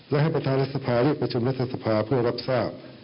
และให้ประธานรัฐสภาเรียกประชุมรัฐสภาเพื่อรับทราบ